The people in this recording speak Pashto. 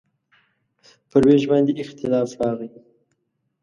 پر وېش باندې اختلاف راغی.